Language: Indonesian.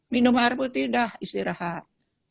minum air putih dah istirahat